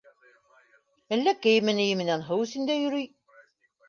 Әллә кейеме-ние менән һыу эсендә йөрөй...